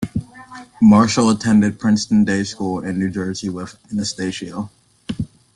Marshall attended Princeton Day School in New Jersey with Anastasio.